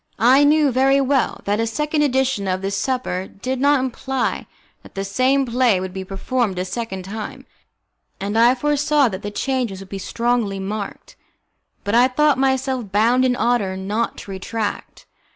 I knew very well that a second edition of the supper did not imply that the same play would be performed a second time, and I foresaw that the changes would be strongly marked. But I thought myself bound in honour not to retract.